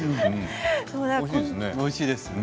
おいしいです。